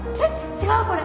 違うこれ。